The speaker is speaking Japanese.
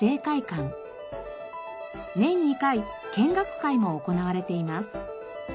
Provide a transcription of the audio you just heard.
年２回見学会も行われています。